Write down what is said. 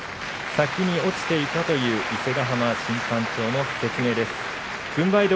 先に落ちていたという説明でした。